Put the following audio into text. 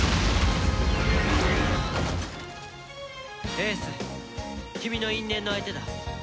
英寿君の因縁の相手だ。